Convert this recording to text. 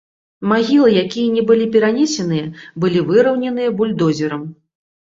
Магілы, якія не былі перанесеныя, былі выраўненыя бульдозерам.